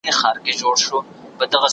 نن به ښه کیسه توده وي د پردي قاتل په کور کي